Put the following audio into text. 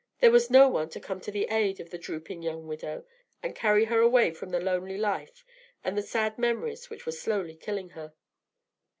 There was no one to come to the aid of the drooping young widow, and carry her away from the lonely life and the sad memories which were slowly killing her.